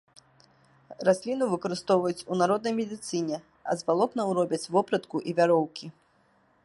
Расліну выкарыстоўваюць у народнай медыцыне, а з валокнаў робяць вопратку і вяроўкі.